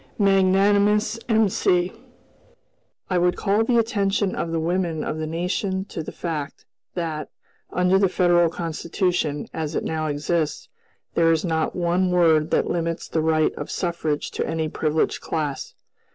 Magnanimous M.C.! "I would call the attention of the women of the nation to the fact that, under the Federal Constitution, as it now exists, there is not one word that limits the right of suffrage to any privileged class.